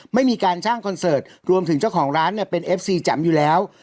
ไม่มีการจ้างคอนเสิร์ตรวมถึงเจ้าของร้านเนี่ยเป็นเอฟซีแจ๋มอยู่แล้ว